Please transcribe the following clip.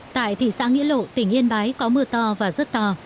tại thị xã nghĩa lộ tỉnh yên bái có mưa to và rất to